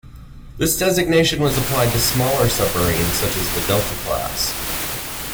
This designation was applied to smaller submarines such as the Delta class.